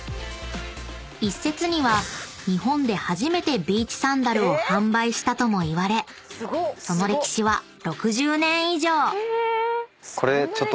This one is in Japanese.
［一説には日本で初めてビーチサンダルを販売したともいわれその歴史は６０年以上］